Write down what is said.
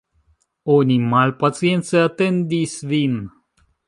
Oni malpacience atendis vin.